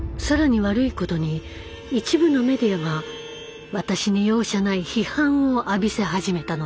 更に悪いことに一部のメディアが私に容赦ない批判を浴びせ始めたのです。